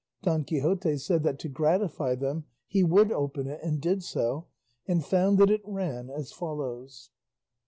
Don Quixote said that to gratify them he would open it, and did so, and found that it ran as follows.